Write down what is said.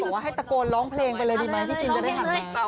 ว่าให้ตะโกนร้องเพลงไปเลยดีไหมพี่จินจะได้หันมา